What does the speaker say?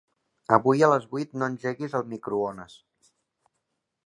Avui a les vuit no engeguis el microones.